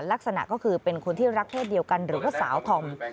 ลักษณะก็คือเป็นคนที่รักเศษเดียวกันหรือว่าสาวธอม